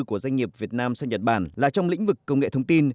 của doanh nghiệp việt nam sang nhật bản là trong lĩnh vực công nghệ thông tin